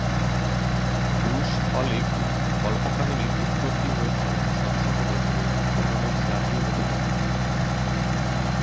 রুশ অলীক কল্পকাহিনীর উৎপত্তি হয়েছে শত শত বছরের পুরনো স্লাভীয় রূপকথা থেকে।